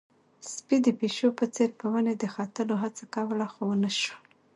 سپي د پيشو په څېر په ونې د ختلو هڅه کوله، خو ونه شول.